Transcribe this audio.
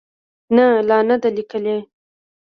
نه، لا نه ده لیکلې